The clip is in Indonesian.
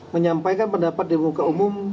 menyampaikan pendapat di muka umum